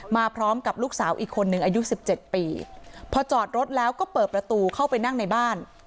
มาพร้อมกับลูกสาวอีกคนนึงอายุสิบเจ็ดปีพอจอดรถแล้วก็เปิดประตูเข้าไปนั่งในบ้าน